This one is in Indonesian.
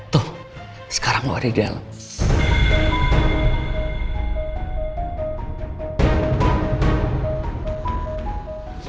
tuh sekarang lo ada di dalam